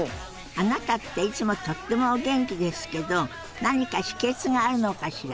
あなたっていつもとってもお元気ですけど何か秘けつがあるのかしら？